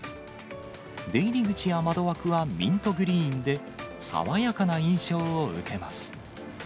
出入り口や窓枠はミントグリーンで、爽やかな印象を受けます。